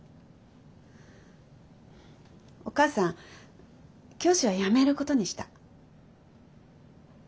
お母さん教師は辞めることにした。